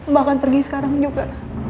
bahkan pergi sekarang juga